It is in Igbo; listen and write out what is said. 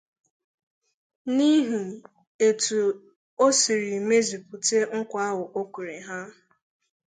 n'ihi etu o siri mezupute nkwà ahụ o kwere ha